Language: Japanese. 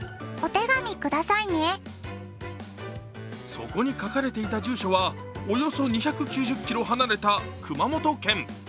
そこに書かれていた住所は、およそ２９０ｋｍ離れた熊本県。